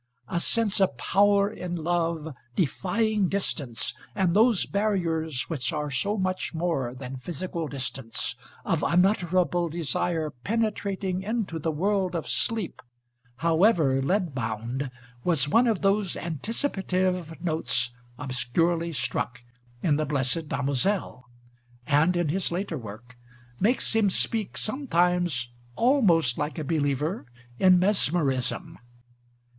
A sense of power in love, defying distance, and those barriers which are so much more than physical distance, of unutterable desire penetrating into the world of sleep, however "lead bound," was one of those anticipative notes obscurely struck in The Blessed Damozel, and, in his later work, makes him speak sometimes almost like a believer in mesmerism.